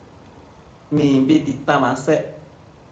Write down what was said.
Mimbi tita masec